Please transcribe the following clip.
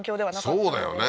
そうだよね。